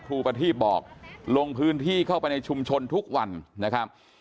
ประทีบบอกลงพื้นที่เข้าไปในชุมชนทุกวันนะครับ